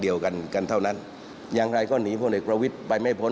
เดียวกันกันเท่านั้นอย่างไรก็หนีพลเอกประวิทย์ไปไม่พ้น